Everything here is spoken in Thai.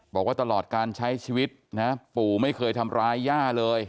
บอกว่าตลอดการใช้ชีวิตนะปู่ไม่เคยทำร้ายย่าเลย